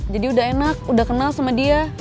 jadi udah enak udah kenal sama dia